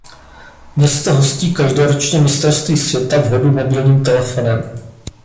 Město hostí každoročně mistrovství světa v hodu mobilním telefonem.